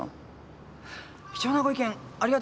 貴重なご意見ありがとうございました。